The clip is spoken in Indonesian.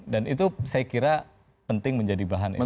dan itu saya kira penting menjadi bahan evaluasi